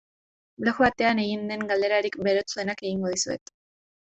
Blog batean egin den galderarik burutsuena egingo dizuet.